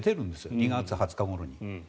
２月２０日ごろに。